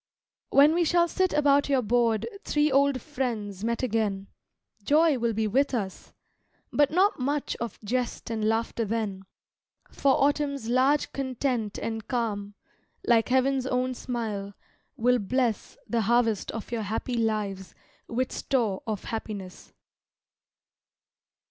When we shall sit about your board Three old friends met again, Joy will be with us, but not much Of jest and laughter then; For Autumn's large content and calm, Like heaven's own smile, will bless The harvest of your happy lives With store of happiness.